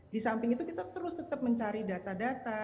di samping itu kita terus tetap mencari data data